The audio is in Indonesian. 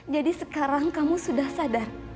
jadi sekarang kamu sudah sadar